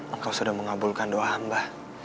engkau sudah mengabulkan doa mbah